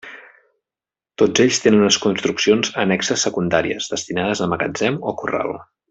Tots ells tenen unes construccions annexes secundàries, destinades a magatzem o corral.